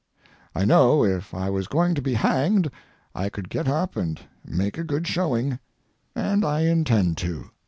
I know if I was going to be hanged I could get up and make a good showing, and I intend to.